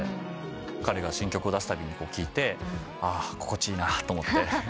彼が新曲を出すたびに聴いて心地いいなと思っています。